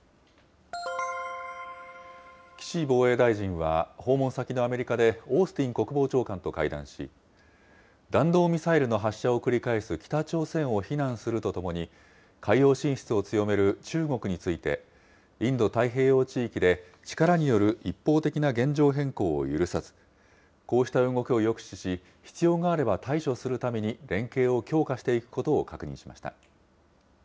岸防衛大臣は、訪問先のアメリカで、オースティン国防長官と会談し、弾道ミサイルの発射を繰り返す北朝鮮を非難するとともに、海洋進出を強める中国について、インド太平洋地域で力による一方的な現状変更を許さず、こうした動きを抑止し、必要があれば対処するために連携を強化していくことを確認しました。